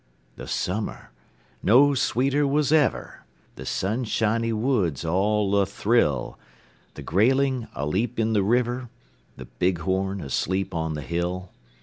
The summer no sweeter was ever; The sunshiny woods all athrill; The grayling aleap in the river, The bighorn asleep on the hill.